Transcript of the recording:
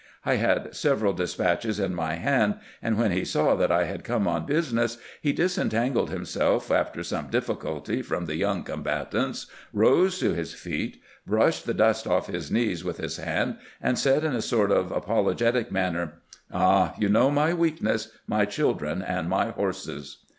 I had several de spatches in my hand, and when he saw that I had come on business, he disentangled himself after some difficulty from the young combatants, rose to his feet, brushed the dust off his knees with his hand, and said in a sort of apologetic manner :" Ah, you know my weaknesses — my children and my horses."